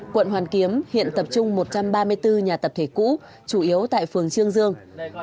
quận hoàn kiếm hiện tập trung một trăm ba mươi bốn nhà tập thể cũ chủ yếu tại phường trương dương